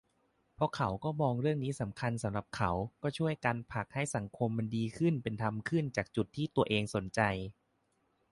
เพราะเขาก็มองเรื่องนี้สำคัญสำหรับเขา ก็ช่วยกันผลักให้สังคมมันดีขึ้นเป็นธรรมขึ้นจากจุดที่ตัวเองสนใจ